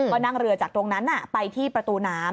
ก็นั่งเรือจากตรงนั้นไปที่ประตูน้ำ